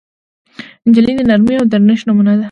نجلۍ د نرمۍ او درنښت نمونه ده.